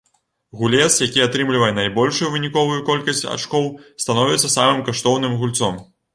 Гулец, які атрымлівае найбольшую выніковую колькасць ачкоў, становіцца самым каштоўным гульцом.